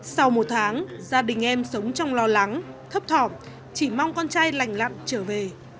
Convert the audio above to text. sau một tháng gia đình em sống trong lo lắng thấp thỏm chỉ mong con trai lành lặn trở về